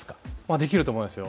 できると思いますよ。